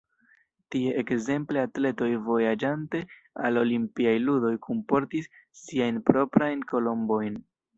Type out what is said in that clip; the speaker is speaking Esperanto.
Tie ekzemple atletoj vojaĝante al olimpiaj ludoj kunportis siajn proprajn kolombojn.